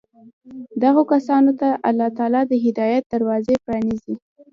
دغو كسانو ته الله تعالى د هدايت دروازې پرانېزي